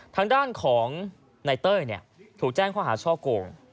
ทางด้านของนายเต้ยถูกแจ้งข้อหาช่อโกง